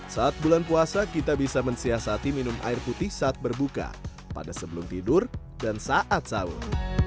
saat bulan puasa kita bisa mensiasati minum air putih saat berbuka pada sebelum tidur dan saat sahur